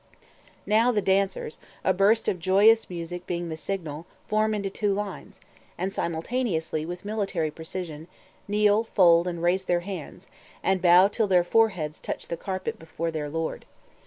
Now the dancers, a burst of joyous music being the signal, form in two lines, and simultaneously, with military precision, kneel, fold and raise their hands, and bow till their foreheads touch the carpet before their lord.